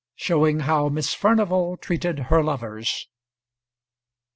SHOWING HOW MISS FURNIVAL TREATED HER LOVERS.